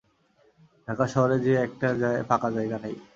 ঢাকা শহরে যে একটা ফাঁকা জায়গা নেই।